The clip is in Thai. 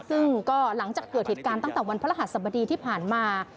ซึ่งก็หลังจากเกิดเหตุการณ์ตั้งแต่วันพระรหัสบดีที่ผ่านมา